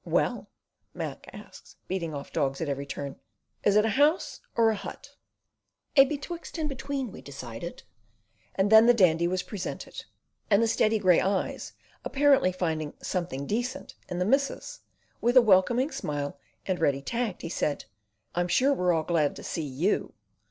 "Well?" Mac asked, beating off dogs at every turn. "Is it a House or a Hut?" "A Betwixt and Between," we decided; and then the Dandy was presented, And the steady grey eyes apparently finding "something decent" in the missus, with a welcoming smile and ready tact he said: "I'm sure we're all real glad to see you."